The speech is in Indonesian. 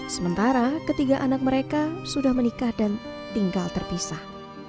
sementara ketiga anak mereka sudah menikah dan tinggal terpisah